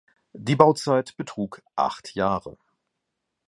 Die Bauzeit betrug acht Jahre.